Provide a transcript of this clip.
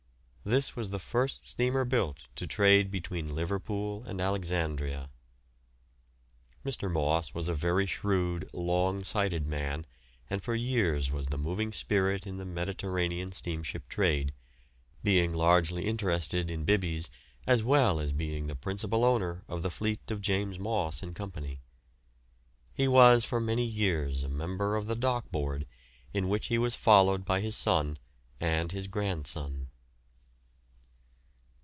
This was the first steamer built to trade between Liverpool and Alexandria. Mr. Moss was a very shrewd, long sighted man, and for years was the moving spirit in the Mediterranean steamship trade, being largely interested in Bibby's as well as being the principal owner of the fleet of James Moss and Co. He was for many years a member of the Dock Board, in which he was followed by his son and his grandson.